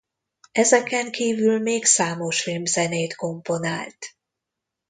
Ezeken kívül még számos filmzenét komponált.